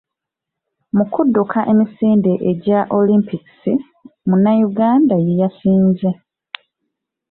Mu kudduka emisinde egya Olimpikisi Munnayuganda ye yasinze.